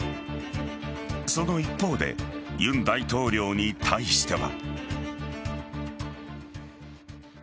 その一方で尹大統領に対しては。